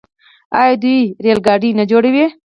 آیا دوی ریل ګاډي نه جوړوي؟